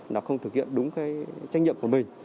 nó không thực hiện đúng trách nhiệm của mình